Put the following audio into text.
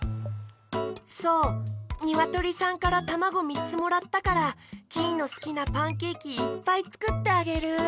そうにわとりさんからたまごみっつもらったからキイのすきなパンケーキいっぱいつくってあげる。